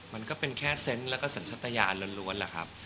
มันเป็นแค่เซ้นส์แล้วก็สัญญาตินั้นออกมา